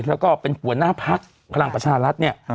แล้วก็เป็นหัวหน้าพักพลังประชารัฐเนี่ย